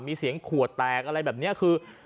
มีเสียงขวดแตกอะไรแบบนี้คือ